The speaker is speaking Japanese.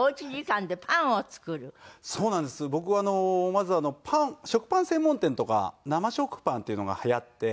僕まず食パン専門店とか生食パンっていうのが流行って。